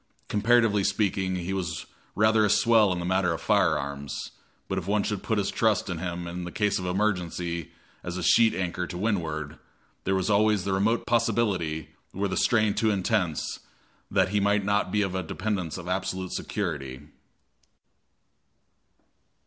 Comparatively speaking, he was rather a swell in the matter of firearms; but if one should put his trust in him in case of emergency as a sheet anchor to windward, there was always the remote possibility, were the strain too intense, that he might not be a dependence of absolute security.